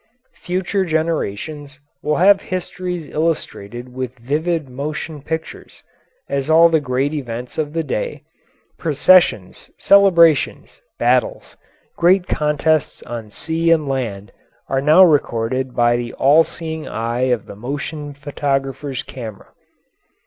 Future generations will have histories illustrated with vivid motion pictures, as all the great events of the day, processions, celebrations, battles, great contests on sea and land are now recorded by the all seeing eye of the motion photographer's camera.